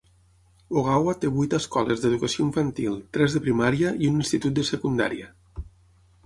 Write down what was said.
Ogawa té vuit escoles d'educació infantil, tres de primària i un institut de secundària.